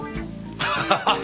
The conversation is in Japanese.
ハハハハ！